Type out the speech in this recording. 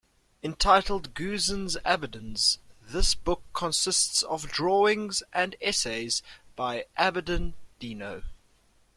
Entitled "Guzin's Abidins", this book consists of drawings and essays by Abidin Dino.